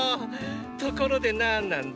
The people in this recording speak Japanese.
ところで何なんだ？